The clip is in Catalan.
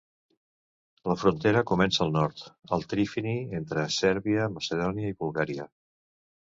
La frontera comença al nord, al trifini entre Sèrbia, Macedònia i Bulgària.